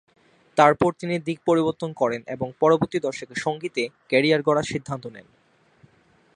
তারপরে তিনি দিক পরিবর্তন করেন এবং পরবর্তী দশকে সঙ্গীতে ক্যারিয়ার গড়ার সিদ্ধান্ত নেন।